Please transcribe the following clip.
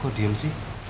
kok diem sih